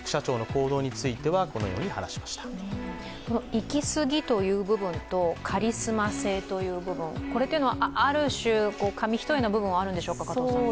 いきすぎという部分とカリスマ性という部分これというのはある種、紙一重の部分はあるんでしょうか？